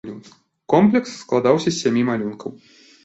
Комплекс складаўся з сямі малюнкаў.